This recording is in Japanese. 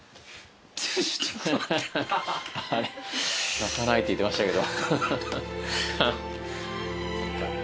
泣かないって言ってましたけど。